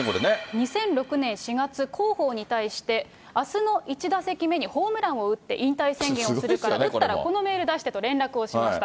２００６年４月、広報に対して、あすの１打席目にホームランを打って引退宣言をするから、打ったらこのメール出してと連絡をしました。